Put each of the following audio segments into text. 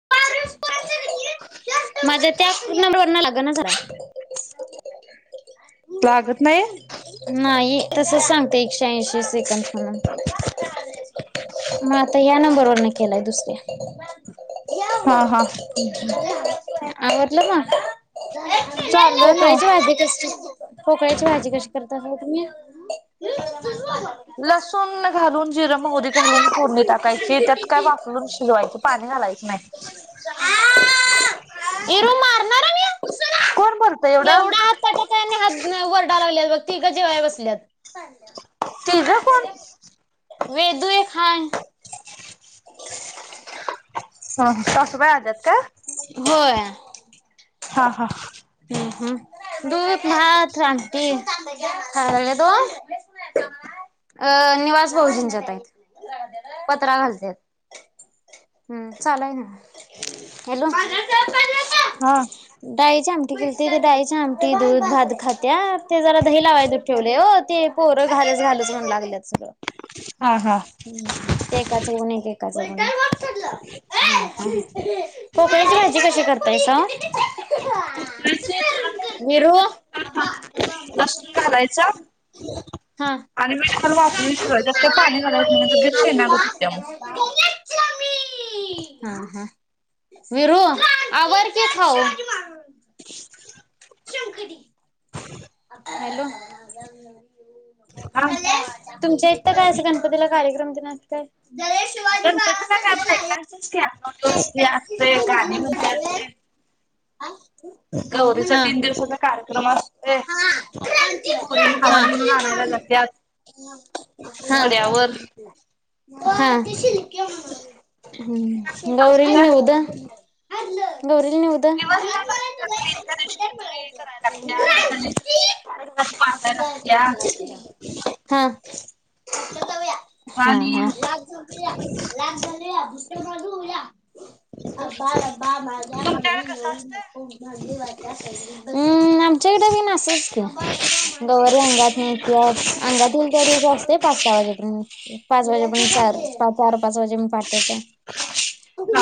[inaudible] माझ्या त्या नंबरवरण लाग ना जरा लागत नाही? नाही तसच सांगतय एकशे ऐंशी सेकंद म्हणून. मग आता या नंबरवरन केलाय दुसऱ्या. हां हां आवरलं का? चाललंय ना पोकळ्याची भाजी कसली. पोकळ्याची भाजी कशी करता हो तुम्ही? लसूण घालून जिर मोहरी घालून फोडणी टाकायची त्यात काय वाफलुन शिजवायच. पाणी घालायच नाही. [inaudible] कोण बोलतय एवढं? वरडाय लागल्यात बघ तिघ जेवाय बसल्यात. तिघ कोण वेदु एक हाय. हां सासुबाई आल्यात काय? होय हां हां हु दूध, भात, आमटी. अ यदु निवास भाऊजींचात हाय. पत्रा घालते हम्म चालल ना. हॅलो हा डाळीची आमटी केलती ते डाळीची आमटी, दूध, भात खात्या ते जरा दही लावायच ठेवलं हो ते पोरं घालच घालच म्हणू लागल्यात सगळं. हा हां ते एकाच बघुन एक एकाच बघुन एक. पोकळ्याची भाजी कशी करतायसा? [unintelligible] [inaudible] वीरू [inaudible] हा [unintelligible] लसूण घालायचा [inaudible] हा हा. आणि मीठ घालून वाफलून शिजवायचं त्यात काय पाणी घालायचं नाही म्हणजे गिर शेणागत होत्या मग [unintelligible] [inaudible] वरू, आवर की खाऊ [inaudible] हॅलो? हा तुमच्या इथं काय, असं गणपतीला कार्यक्रम तेन असत्यात? गणपतीला काय बायकायचंच की न [unintelligible] असतय, गाणी म्हणत्यात तेन [inaudible] गौरीचा हा तीन दिवसाचा कार्यक्रम असतोय. हा पोरी भावाला म्हणून आणायला जात्यात. हा. वड्यावर हा, हम्म. गौरील् निऊद, गौरील निऊद दिवस काय लागत्यात तरी एका दिवशी शिदोरी [unintelligible] [inaudible] [unintelligible] [inaudible] हा, [unintelligible] हा हा. आणि [unintelligible] [inaudible] [unintelligible] [inaudible] हम्म! तुमच्याकडे कसं असतं? आमच्याकडे पिन असच की गवारी अंगात नी येत्यात, अंगात येईल त्या दिवशी असतय पाच सहा वाजेपर्यंत पाच वाजेपर्यंत [unintelligible] पा चार पाच वाजेपर्यंत पण पाठच. हा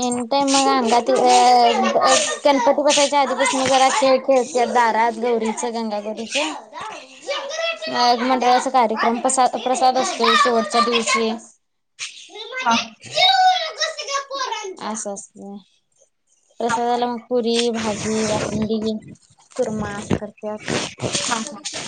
एनी टाइम मग अंगा [unintelligible] गणपती बसायच्या आधीपासून जरा खेळ खेळ त्यात दारात, गौरीचं, गंगागौरीचं. मग मंडळाचा कार्यक्रम, प्रसाद असतोय शेवटच्या दिवशी. हा. असं असतय, हा प्रसादला मग पुरी, भाजी, बासुंंदी कुर्मा असं करत्यात. हा हा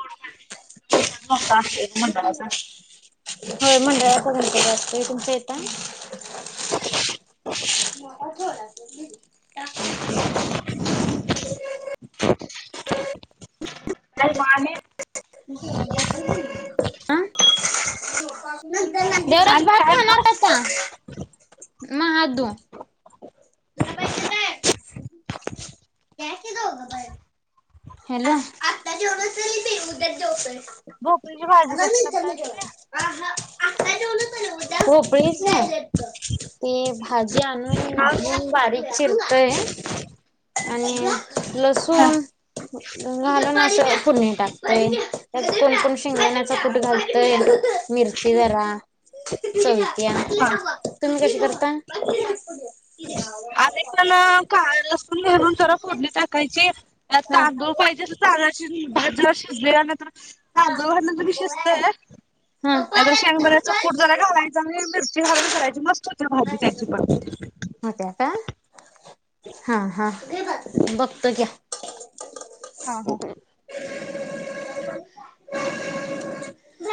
[unintelligible] [inaudible] [unintelligible] मंडळाच [inaudible] होय, मंडळाचा गणपती असतोय, तुमच्या इथ हाय? [inaudible] हम हम. [unintelligible] [inaudible] [unintelligible] [inaudible] देवराज आणि भात काय मग खाणार कासा, म्हटलं म हात धू. तुला पाहिजे काय? घ्या की दोघ पण हॅलो? भोपळीची भाजी कशी करताय तुम्ही? भोपळीची, ते भाजी आणून हा धून बारीक चिरतोय, आणि हा लसूण घालून अस पुडणी टाकतय, त्यात कोण कोण शेंगदाण्याचा कुट हा घालतय. मिरची जरा चलत्या, हा तुम्ही कशी करताय? क्याव. न‌इ पण का -लसून घालून स फोडनी टाकायची हा तांदूळ पाहिजे तर तांद भाजूला शिजले नंतर तांदळ घरनंतरी शिजतय‌ हा नाही तर शेंगदाण्याचा कूट जरा घावायचा आणि मिरची हावी घरायची मस्त होते भाजी त्याची पण होत्या का? हा हा बघतो घ्या. हा हो!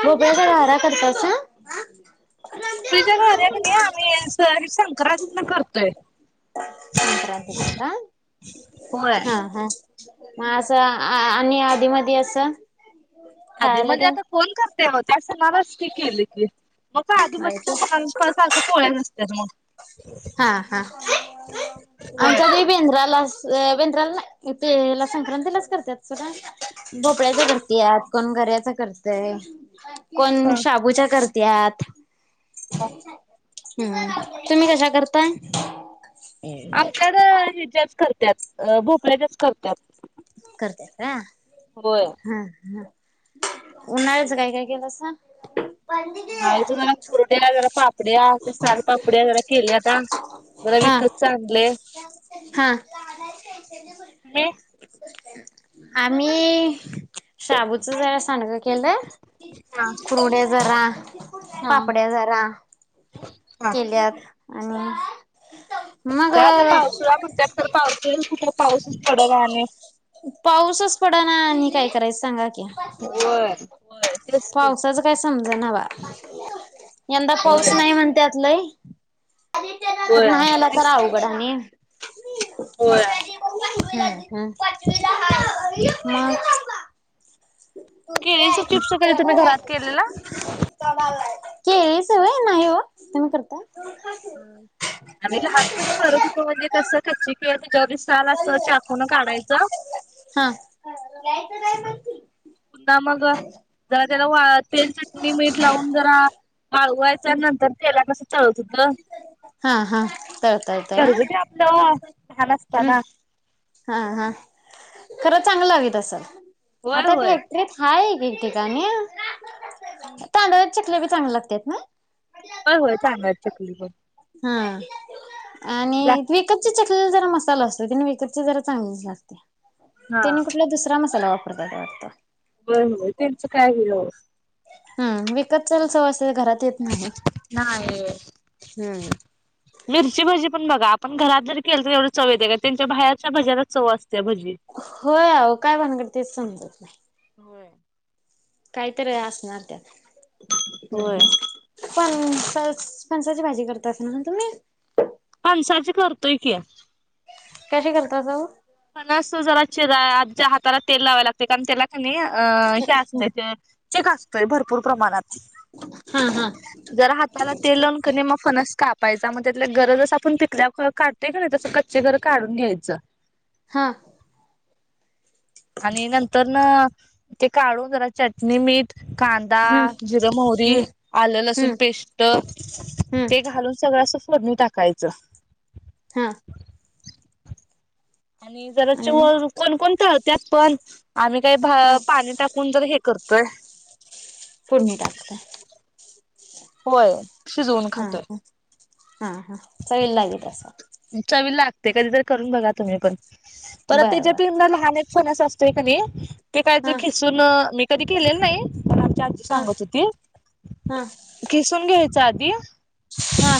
भोपळ्याच्या घाऱ्या करतासा. भोपळीच्या गारा आम्ही का नाही सं-संक्रातीला करतोय. संक्रातीत का? होय हा हा. मग असं आ- आणि आधी मधी असं. आधी खायला मधील तेन आता कोण करते त्या सणालाच ती केली कि मग का आधी म्हणज त्या सणा सारखं पोळ नसतात मग, हा हा होय आणिच्या बेंद्राला वेंद्राला नाही तेला संक्रांती लाच करत्यात. भोपळ्याच्या करतेत कोण गऱ्याचा करतेय. कोण शबूच्या करत्यात तुम्ही कश करता. त आमल्या हच्याच करत्यात भोपळ्याच्याच करत्यात. करत्याता होय हा हा. उन्हाळ्याच काय काय केलासा? नाहीचं जरा कुरड्या जरा पापड्या साल पापड्या जरा केली आता. जरा हा विकतच आणलय. हा. मे आम्ही शबूच जरा सांडगं केलं. हा कुरुड्या जरा, हा पापड्या जरा, हा केल्यात आणि मग, तुला कणठ्यात तर पावसईल कुठला पाऊसच पडणा आणि पाऊसच पड ना आणि काय करायच सांगा की होय. होय तेच की पावसाच काय समज ना बा यंदा पाऊस होय नाही म्हणततलंय. खरं होय नाही आला तर तेच की अवघड आणि. होय. हमं हमं मग. केळीच चिप्स कधी तुम्ही घरात केलेला? [unintelligible] केळी सोडली नाही हो तुम्ही करताय? ह आम्ही लहानपणी करत होतो म्हणजे कसं कच्ची पि जॉ साल असं चाकून काढायचं. हं. पु ना मग, जरा त्याला वा तेल चटणी मीठ लावून जरा वाळवायच्या नंतर त्याला कस तळत होतो हा हा तळता येतंय हा घरगुती आपलं लहान हम्म असताना. हा हा खरं चांगलं लागत होय असेल होय आता होय फॅ त्वरित हाय एकेक हम्म ठिकाणीतांदळाचं चकले ब चांग लागतात ना. होय होय तांदळाच्या चकली बनव हं, आणि विकतची चकलेला जरा मसाला असतोय कानी, विक तच जरा चांगलीच लागते. हा त्याने कुठला दुसरा मसाला वापरता वाटत. होय होय. त्यांचं काय [unintelligible] हं, विकत ल सवजत घरात येत नाही. नाही. हम्म. मिरची भजी पण बघा आपण घरात जर केलं तर एवढं चव येत का? त्यांच्या बाहेरच्या भज्यालाच चव असते. भजी होय अहो. काय भानगडे तेच समजत नाही. होय. काहीतरी असणार त्यात. हं होय हं. पण-पल-फणसाची भाजी करत असाल ना तुम्ही? फणसाची करतोय की. कशी करताजा ओ? खण असतो जरा आ हाताला तेल लावावे लागते कारण त्याला कनी अ हे असत ते चिक असतोय भरपूर प्रमाणात. हं हं. जरा हाताला तेल लावून कनी म फनस कापायचा. म त्यातल्या गर जसं आपण पिकल्यावर का तेच्यातल तस कच्चे गर काढून घ्यायचं. हा. आणि नंतरन ते काढून जरा चटणी मीठ कांदा, हम्म जिरं, मोहरी, हम्म आलं-लसूण हम्म पेस्ट हम्म ते घालून सगळं असं फोडणी टाकायचं. हां, आणि जरा च आणि मग? व कोणकोण तळत्यात पण. आम्ही काही हा भा- पाणी टाकून जर हे करतो. काय? फोडणी टाकत आहे. होय. शिजवून हां खातोय हं, हां हं चवीला लागि तस. चवीला लागते. कधीतरी करून बघा तुम्ही पण. परत बरं त्याच्या बरं. पिल्लं लहानेत फणस असतोय का नही, ते कायतरी हा खिसून मी कधी केलेलं नाही. पण आमच्या आजी हा सांगत होती. हा खिसून घ्यायच आधी, हां,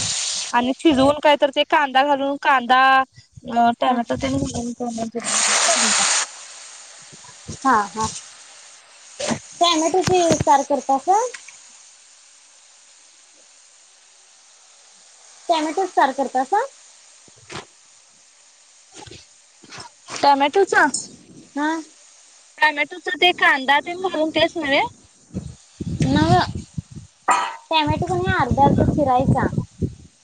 आणि शिजवून कायतर ते कांदा घालून, कांदा अ हा टोमॅटो [inaudible] फोडणी टाकतो. हा हा. टॅमॅटोचे सार करता का? टॉमॅटो सार करता का? [inaudible] टमॅटोच हं, टमॅटोचा ते कांदा तेन घालून तेच नवे? नव्ह. टॅमॅटो कणी अर्धा अर्धा चिरायचा,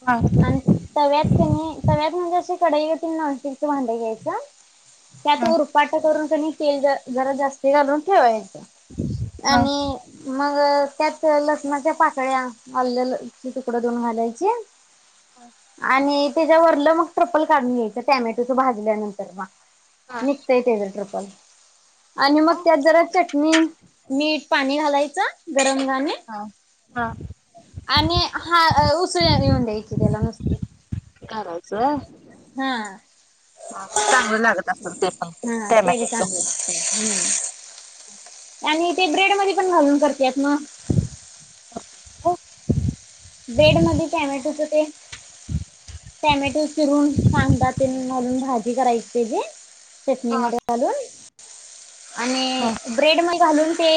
हा आण तव्यात कनी, तव्यात म्हणजे असे कडाई [unintelligible] नॉन स्टिकच भांड घ्यायचं. त्यात ह उरपाट करून कनी तेल जरा जास्त घालून ठेवायचं. [inaudible] आणि मग त्यात लसणाच्या पाकळ्या आल्ल लसूण तुकड दोन घालायच. आणि त्याच्या वरल मग ट्रप्पल काढून घ्यायच टॅमॅटोच भाजल्यानंतर मग हा ते त्याचे त्रपल आणि मग त्यात जरा चटणी, मीठ, पाणी घालाय च गरंगाने हा, हा, आणि हा उसळा नेऊन द्यायची त्याला नुसती. ह्याच हा हा चांगलं लागत असल ते पण टोमॅटो च. ब [inaudible] आणि ते ब्रेड मध्ये पण घालून करते ना? [inaudible] ब्रेड मध्ये टोमॅटोचं ते टॅमॅटो चिरून कादा ते घालून भाजी करायची त्याची. चटणी हा मिठ घालून आणि हा ब्रेड म घालून ते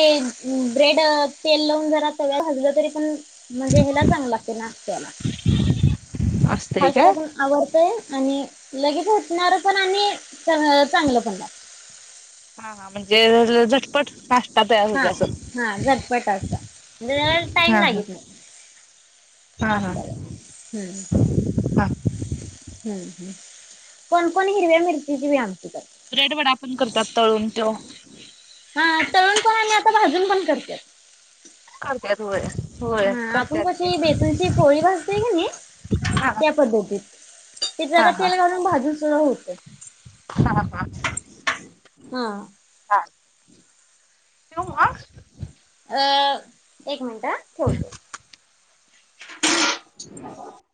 ब्रेड तेल लावून जरा तव्या भाजलं तरी पण म्हणजे हेला चांगलं लागते नाष्टाला. असस् [unintelligible] फास्ट पण आवरतय आणि लगेच उटणार पण आणि चांगलं पण लात हा हा म्हणजे झटपट फास्ट त्या त्या हा म्हणजे अस, हा झटपट असतं म्हणजे त्याला टाइम हा हा लागत नाही हा हा आपल्याला म, हम्म हा हम्म, हम्, कोणकोण हिरव्या मिरचीची बी आमटी करत. ब्रेड वडा आपण करतात तळून हा तेव्हा तळून पण आम्ही आता भाजून पण काये करत्यात होय होय हा आपण करत्यात की कशी बेसनची पोळी नाही, हा त्या पद्धतीत ते जरा हा हा तेल घालून भाजून सुद्धा होत. हा हा हा हा. हम्म [inaudible] ठेवू मग? अ, एक मिनिट हा ठेवते. अ अ [inaudible]